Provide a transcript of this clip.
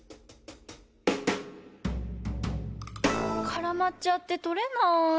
からまっちゃってとれない。